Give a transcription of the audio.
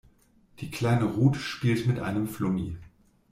Die kleine Ruth spielt mit einem Flummi.